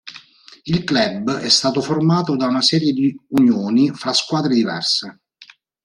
Il club è stato formato da una serie di unioni fra squadre diverse.